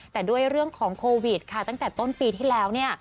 แต่ด้วยเรื่องของโควิดค่ะตั้งแต่ต้นปีที่แล้วเนี่ย